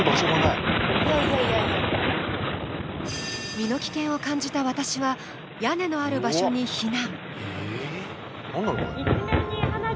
身の危険を感じた私は、屋根のある場所に避難。